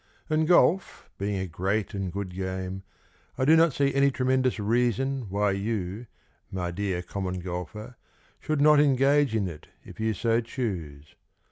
And golf being a great and good game I do not see any tremendous reason Why you, my dear Common Golfer, Should not engage in it if you so choose.